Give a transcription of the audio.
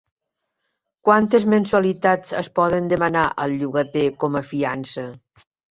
Quantes mensualitats es poden demanar al llogater com a fiança?